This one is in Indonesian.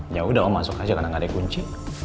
yaudah om masuk aja karena gak ada kunci